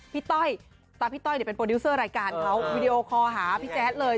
พี่ต้อยตามพี่ต้อยเดี๋ยวเป็นโปรดิวเซอร์รายการเขาวิดีโอคอหาพี่แจ๊ดเลย